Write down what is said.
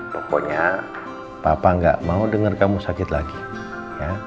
pokoknya papa gak mau dengar kamu sakit lagi ya